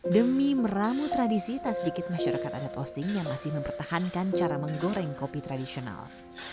demi meramu tradisi tak sedikit masyarakat adat osing yang masih mempertahankan cara menggoreng kopi tradisional